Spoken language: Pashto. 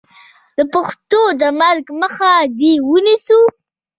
د پښتو د مرګ مخه دې ونیسو.